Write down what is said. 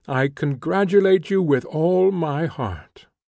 I congratulate you with all my heart."